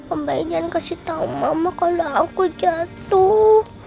om baik jangan kasih tau mama kalau aku jatuh